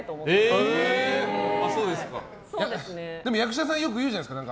でも、役者さんよく言うじゃないですか。